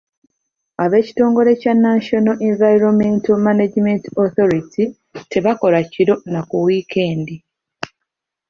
Ab'ekitongole kya National Environmental Management Authority tebakola kiro na ku wiikendi.